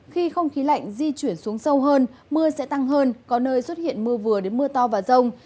khi không khí lạnh di chuyển xuống sâu hơn mưa sẽ tăng hơn có nơi xuất hiện mưa vừa đến mưa to và rông